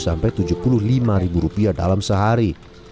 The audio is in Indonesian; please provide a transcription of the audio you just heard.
sampai tujuh puluh lima ribu rupiah dalam sehari